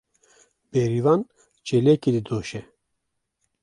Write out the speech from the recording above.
Bêrîvan çêlekê didoşe.